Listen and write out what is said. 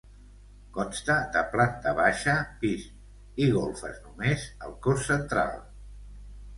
Consta de planta baixa, pis i golfes només al cos central.